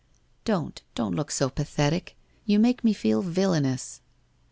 ' Don't, don't look so pathetic. You make me feel villainous.'